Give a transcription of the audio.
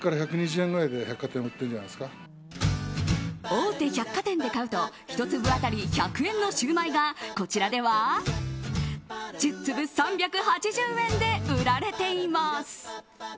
大手百貨店で買うと１粒当たり１００円のシューマイがこちらでは１０粒３８０円で売られています。